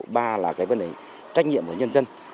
ba là vấn đề trách nhiệm của nhân dân